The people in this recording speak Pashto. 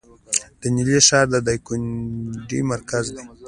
د نیلي ښار د دایکنډي مرکز دی